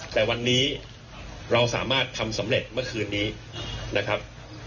แต่วันนี้เราสามารถทำสำเร็จเมื่อคืนนี้นะครับ